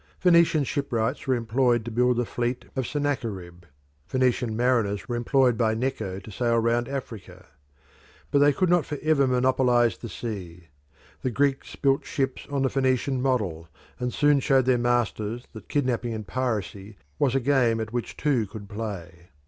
Phoenician shipwrights were employed to build the fleet of Sennacherib: Phoenician mariners were employed by Necho to sail round Africa. But they could not forever monopolise the sea. The Greeks built ships on the Phoenician model, and soon showed their masters that kidnapping and piracy was a game at which two could play.